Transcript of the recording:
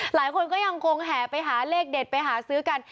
หลายคนก็ยังคงแห่ไปหาเลขเด็ดไปหาซื้อกัน